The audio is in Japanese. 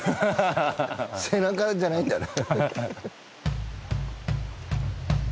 ハハハハ背中じゃないんだね